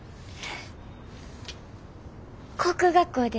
航空学校で。